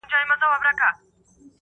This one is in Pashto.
هغه د پېښې حقيقت غواړي ډېر,